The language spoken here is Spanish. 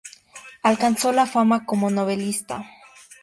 Alcanzó la fama como novelista.